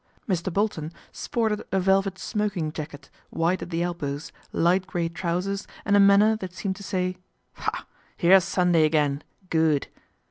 Mr. Bolton sported a velvet smoking jacket, white at the elbows, light grey trousers and a manner that seemed to say, " Ha ! here's Sunday again, good